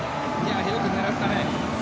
よく狙ったね。